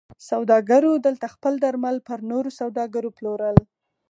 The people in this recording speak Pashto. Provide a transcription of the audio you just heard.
سوداګرو دلته خپل درمل پر نورو سوداګرو پلورل.